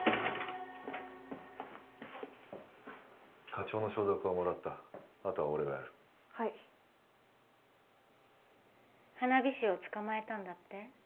課長の承諾はもらったあとは俺がやるはい花火師を捕まえたんだって？